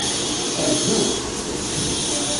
Ɛeǧben-t?